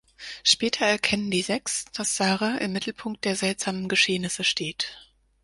Später erkennen die sechs, dass Sarah im Mittelpunkt der seltsamen Geschehnisse steht.